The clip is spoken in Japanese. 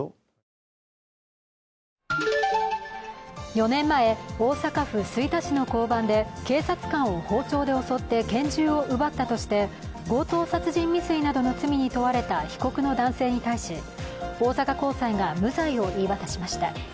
４年前、大阪府吹田市の交番で警察官を包丁で襲って拳銃を奪ったとして、強盗殺人未遂などの罪に問われた被告の男性に対し大阪高裁が無罪を言い渡しました。